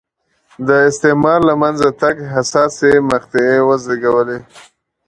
د استعمار له منځه تګ حساسې مقطعې وزېږولې.